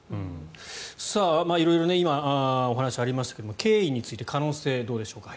色々、今お話がありましたが経緯について可能性、どうでしょうか。